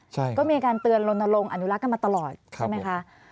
ใช่ก็มีการเตือนลนลงอนุรักษ์กันมาตลอดใช่ไหมคะ